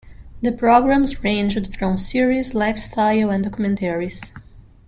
The programs ranged from series, lifestyle and documentaries.